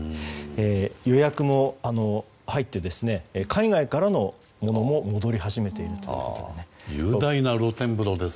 予約も入って海外からの人も戻り始めているということです。